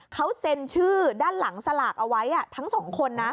เขาเซ็นชื่อด้านหลังสลากเอาไว้ทั้งสองคนนะ